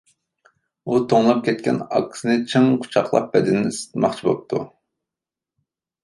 ئۇ توڭلاپ كەتكەن ئاكىسىنى چىڭ قۇچاقلاپ بەدىنى بىلەن ئىسسىتماقچى بوپتۇ.